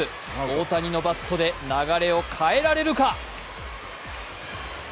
大谷のバットで流れを変えられるか？